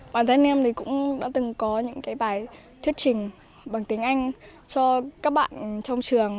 bản thân em cũng đã từng có những bài thuyết trình bằng tiếng anh cho các bạn trong trường